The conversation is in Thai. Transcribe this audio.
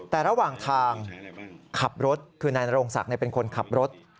แต่ระหว่างทางขับรถคือนางดวงกะมนต์เป็นคนขับรถ